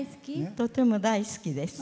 とても大好きです。